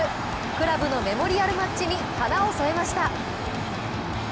クラブのメモリアルマッチに花を添えました。